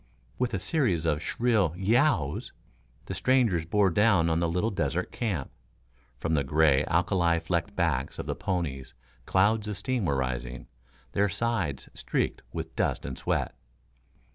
With a series of shrill "y e o w s," the strangers bore down on the little desert camp. From the gray, alkali flecked backs of the ponies clouds of steam were rising, their sides streaked with dust and sweat.